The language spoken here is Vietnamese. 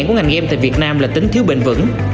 của ngành em tại việt nam là tính thiếu bền vững